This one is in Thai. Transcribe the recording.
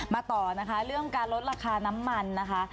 ต่อนะคะเรื่องการลดราคาน้ำมันนะคะ